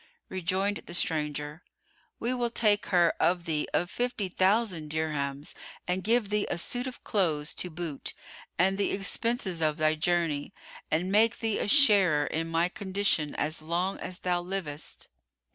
Rejoined the stranger, "We will take her of thee at fifty thousand dirhams[FN#111] and give thee a suit of clothes to boot and the expenses of thy journey and make thee a sharer in my condition as long as thou livest."